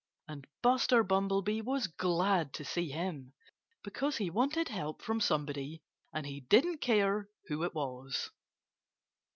And Buster Bumblebee was glad to see him, because he wanted help from somebody and he didn't care who it was.